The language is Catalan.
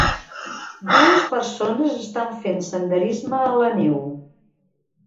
Dues persones estan fent senderisme a la neu.